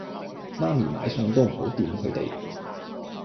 媽咪買餸都唔好掂佢哋